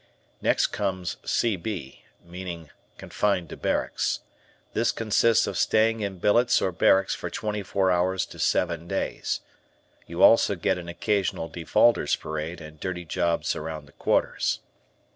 Next comes "C. B." meaning "Confined to Barracks." This consists of staying in billets or barracks for twenty four hours to seven days. You also get an occasional Defaulters' Parade and dirty jobs around the quarters.